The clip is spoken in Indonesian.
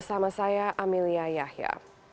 bersama saya amelia yahya